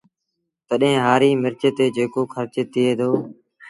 تڏهيݩ هآريٚ مرچ تي جيڪو کرچ ٿئي دو